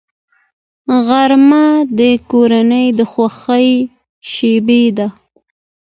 غرمه د کورنۍ د خوښۍ شیبه ده